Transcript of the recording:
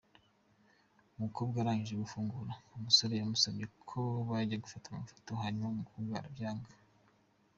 Umukobwa arangije gufungura, umusore yamusabye ko bajya gufata amafoto hanyuma umukobwa arabyanga.